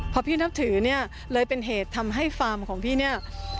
พอพี่นับถือเลยเป็นเหตุทำให้ฟาร์มของพี่